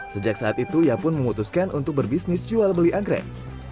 sejak saat itu ia pun memutuskan untuk berbisnis jual beli anggrek